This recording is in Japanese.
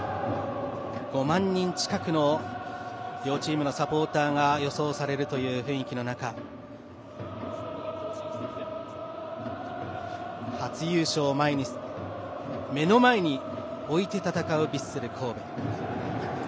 ５万人近くの両チームのサポーターが予想されるという雰囲気の中初優勝を目の前に置いて戦うヴィッセル神戸。